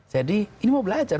jadi ini mau belajar